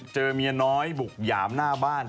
เจอเมียน้อยบุกหยามหน้าบ้าน